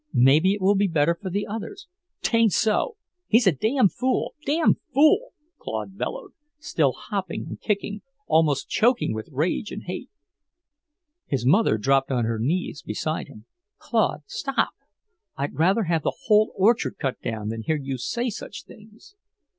Maybe it will be better for the others." "'Tain't so! He's a damn fool, damn fool!" Claude bellowed, still hopping and kicking, almost choking with rage and hate. His mother dropped on her knees beside him. "Claude, stop! I'd rather have the whole orchard cut down than hear you say such things."